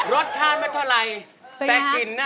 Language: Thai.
รสชาติไม่เท่าไหร่แต่กลิ่นน่ะ